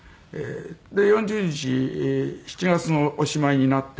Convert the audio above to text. で４０日７月のおしまいになって。